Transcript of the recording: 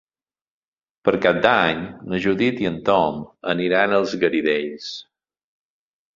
Per Cap d'Any na Judit i en Tom aniran als Garidells.